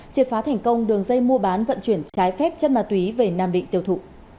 triệt phá thành công đường dây mua bán vận chuyển trái phép chất ma túy về nam định tiêu thụ